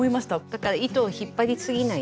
だから糸を引っ張りすぎないっていう。